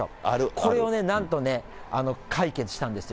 これをなんとね、解決したんですよ。